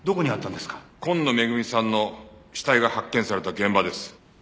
今野恵さんの死体が発見された現場です。